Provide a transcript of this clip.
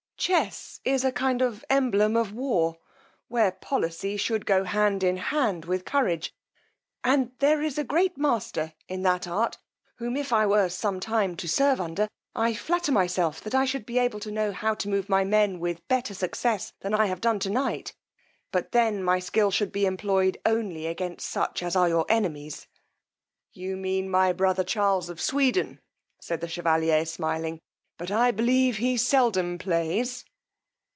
Chess is a kind of emblem of war, where policy should go hand in hand with courage; and there is a great master in that art, whom if I were some time to serve under, I flatter myself that I should be able to know how to move my men with better success than I have done to night; but then my skill should be employed only against such as are your enemies. You mean my brother Charles of Sweden, said the chevalier smiling, but I believe he seldom plays.